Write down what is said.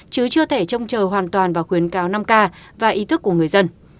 chứ chưa thể trông chờ hoàn toàn vào khuyến cáo năm k và ý thức của người dân